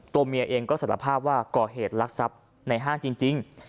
ตัวเมียเองก็สารภาพว่าก่อเหตุลักษัพในห้างจริง